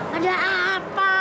aduh ada apa